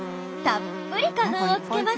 たっぷり花粉をつけます。